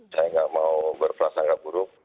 saya gak mau berperasaan gak buruk